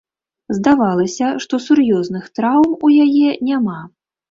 Здавалася, што сур'ёзных траўм у яе няма.